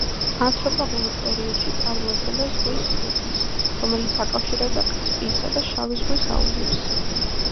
ანთროპოგენურ პერიოდში წარმოადგენდა ზღვის სრუტეს, რომელიც აკავშირებდა კასპიისა და შავი ზღვის აუზებს.